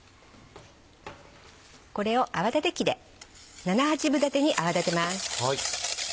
これを泡立て器で七八分立てに泡立てます。